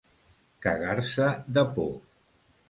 Cagar-se de por.